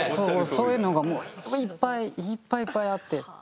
そういうのがもういっぱいいっぱいいっぱいあって。